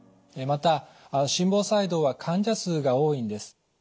また心房細動は患者数が多いんです。